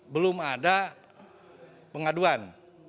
belum ada pengaduan